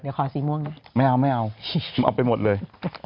เดี๋ยวขอสีม่วงนี่ไม่เอาเอาไปหมดเลย